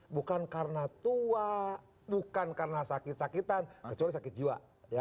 bukan karena tua bukan karena sakit sakitan kecuali sakit jiwa